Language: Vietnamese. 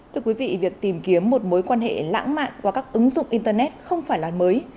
thưa quý vị việc tìm kiếm một mối quan hệ lãng mạn qua các ứng dụng internet không phải là mới